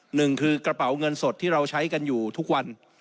หนึ่งคือกระเป๋าเงินสดที่เราใช้กันอยู่ทุกวัน